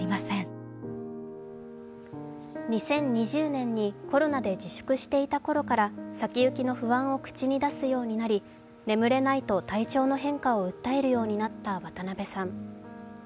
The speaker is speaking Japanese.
２０２０年にコロナで自粛していた頃から先行きの不安を口に出すようになり眠れないと体長の変化を訴えるうになった渡辺さん。